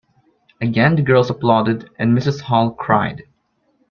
Again the girls applauded, and Mrs Hall cried.